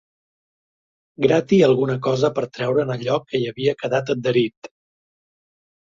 Grati alguna cosa per treure'n allò que hi havia quedat adherit.